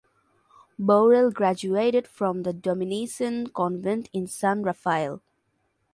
Borel graduated from the Dominican Convent in San Rafael.